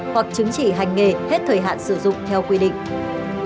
hoặc chứng chỉ hành nghề hết thời hạn sử dụng theo quy định